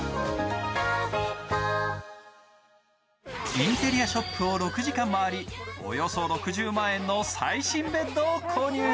インテリアショップを６時間回り、およそ６０万円の最新ベッドを購入。